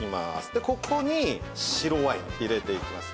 でここに白ワイン入れていきますね。